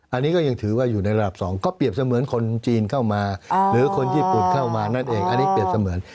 อันนี้ก็ยังถือว่าอยู่ในระดับ๒ก็เปรียบเสมือนคนจีนเข้ามาหรือคนญี่ปุ่นเข้ามานั่นเองอันนี้เปรียบเสมือน